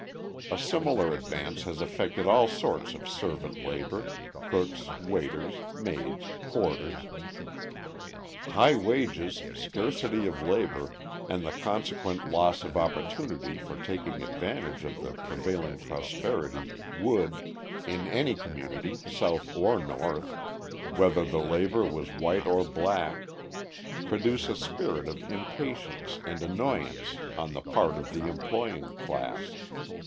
A similar advance has affected all sorts of servant labour cooks, waiters, maids, porters. High wages, scarcity of labour, and the consequent loss of opportunity for taking advantage of the prevailing prosperity would, in any community, South or North, whether the labour was white or black, produce a spirit of impatience and annoyance on the part of the employing class.